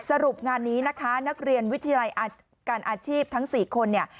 สรุปงานนี้นะคะนักเรียนวิทยาลัยการอาชีพทั้ง๔คนเนี่ย